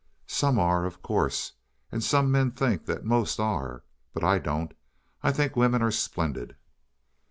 "Some are, of course. And some men think that most are. But I don't; I think women are splendid."